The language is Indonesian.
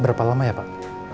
berapa lama ya pak